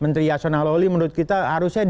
menteri yasona loli menurut kita harus dikembangkan